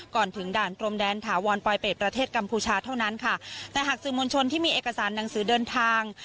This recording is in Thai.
ก่อนถึงด่านพรมแดนถาวรปลอยเป็ดประเทศกัมพูชาเท่านั้นค่ะแต่หากสื่อมวลชนที่มีเอกสารหนังสือเดินทาง